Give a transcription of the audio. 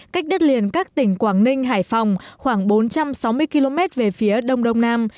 cách đất liền các tỉnh quảng ninh hải phòng khoảng bốn trăm sáu mươi km về phía đông đông nam